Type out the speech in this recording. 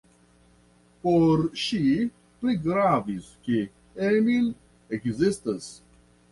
Por ŝi pli gravis, ke Emil ekzistas.